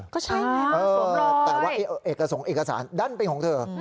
แต่ว่าเอกสารด้านเป็นของเธอ